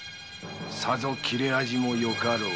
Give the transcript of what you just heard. さぞ斬れ味もよかろう。